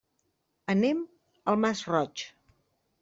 Anem al Masroig.